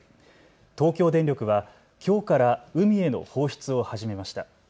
東京電力はきょうから海への放出を始めました。